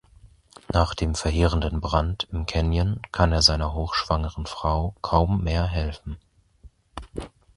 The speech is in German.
Nach dem verheerenden Brand im Canyon kann er seiner hochschwangeren Frau kaum mehr helfen.